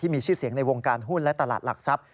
มีชื่อเสียงในวงการหุ้นและตลาดหลักทรัพย์